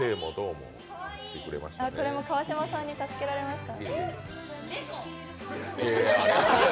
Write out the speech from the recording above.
これも川島さんに助けられました。